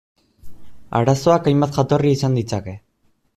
Arazoak hainbat jatorri izan ditzake.